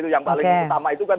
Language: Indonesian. yang paling utama itu kan